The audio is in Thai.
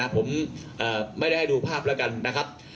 ผมไม่ได้ให้ดูภาพละกันนะฮะ